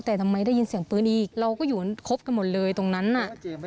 แต่ทำไมได้ยินเสียงปืนอีกเราก็อยู่ครบกันหมดเลยตรงนั้นน่ะ